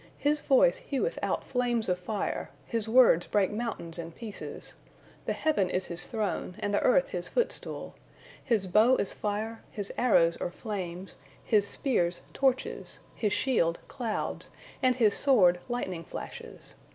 His voice heweth out flames of fire; His words break mountains in pieces. The heaven is His throne, and the earth His footstool. His bow is fire, His arrows are flames, His spears torches, His shield clouds, and His sword lightning flashes.